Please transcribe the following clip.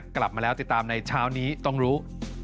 กลับมาแล้วติดตามในเช้านี้ต้องรู้